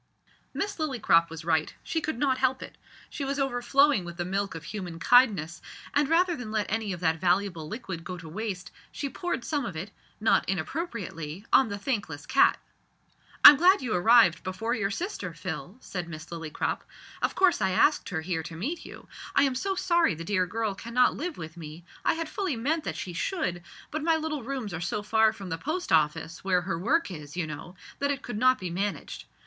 Miss Lillycrop was right, she could not help it. She was overflowing with the milk of human kindness, and, rather than let any of that valuable liquid go to waste, she poured some of it, not inappropriately, on the thankless cat. "I'm glad you arrived before your sister, Phil," said Miss Lillycrop. "Of course I asked her here to meet you. I am so sorry the dear girl cannot live with me: I had fully meant that she should, but my little rooms are so far from the Post Office, where her work is, you know, that it could not be managed.